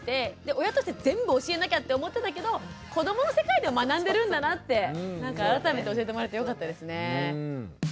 親として全部教えなきゃって思ってたけど子どもの世界で学んでるんだなって改めて教えてもらってよかったですね。